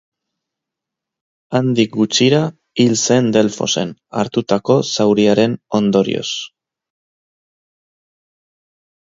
Handik gutxira hil zen Delfosen hartutako zauriaren ondorioz.